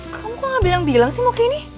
kamu kok gak bilang bilang sih mau kesini